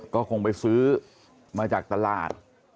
ก็คงไปซื้อมาจากตลาด